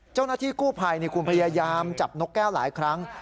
เจ้าหน้าที่กู้ภัยคุณพยายามจับนกแก้วหลายครั้ง